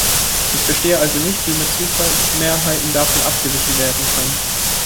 Ich verstehe also nicht, wie mit Zufallsmehrheiten davon abgewichen werden kann.